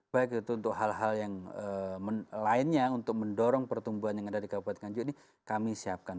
baik itu untuk hal hal yang lainnya untuk mendorong pertumbuhan yang ada di kabupaten nganjuk ini kami siapkan